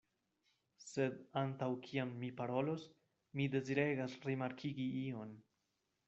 Sed antaŭ kiam mi parolos, mi deziregas rimarkigi ion.